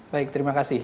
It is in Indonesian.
baik terima kasih